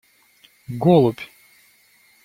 Голубь!